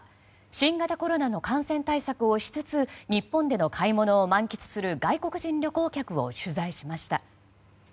新型コロナの感染対策をしつつ日本での買い物を満喫する外国人旅行客を取材しました。